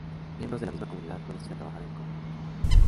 Miembros de la misma comunidad no necesitan trabajar en conjunto.